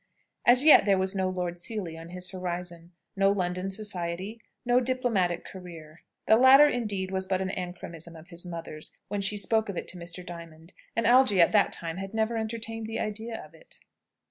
As yet there was no Lord Seely on his horizon; no London society; no diplomatic career. The latter indeed was but an Ancramism of his mother's, when she spoke of it to Mr. Diamond, and Algy at that time had never entertained the idea of it.